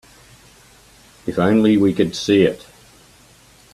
If only we could see it.